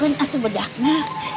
kasutkan asap bedaknya